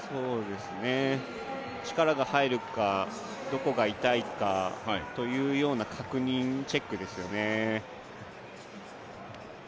力が入るか、どこか痛いかというような確認、チェックですよね。